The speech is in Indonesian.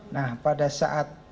nah pada saat